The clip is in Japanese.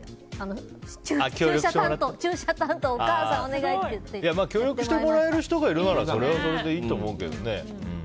母にお願いして協力してもらえる人がいるならそれはそれでいいと思うけどね。